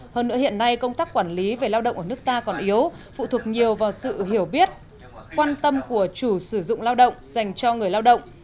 hơn nữa hiện nay công tác quản lý về lao động ở nước ta còn yếu phụ thuộc nhiều vào sự hiểu biết quan tâm của chủ sử dụng lao động dành cho người lao động